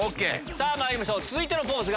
さぁまいりましょう続いてのポーズ。